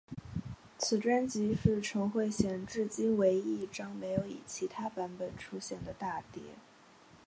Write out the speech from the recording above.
此专辑是陈慧娴至今唯一一张没有以其他版本出现的大碟。